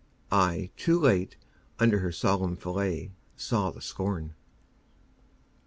I, too late, Under her solemn fillet saw the scorn.